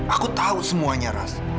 aku tahu semuanya ras